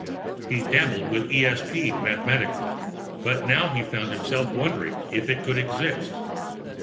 He'd dabbled with ESP mathematically, but now he found himself wondering if it could exist.